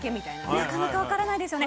なかなか分からないですよね。